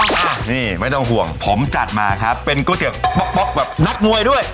อ่ะนี่ไม่ต้องห่วงผมจัดมาครับเป็นก๋วยเตี๋ยวป๊อกป๊อกแบบนักมวยด้วย